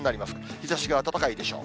日ざしが暖かいでしょう。